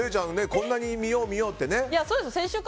こんなに見よう見ようってね。